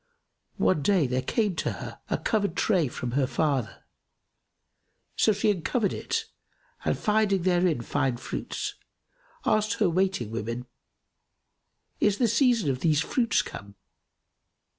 One day, there came to her a covered tray from her father; so she uncovered it and finding therein fine fruits, asked her waiting women, "Is the season of these fruits come?"